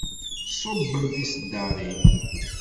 Tṣubbem tiseddarin.